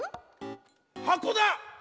はこだ！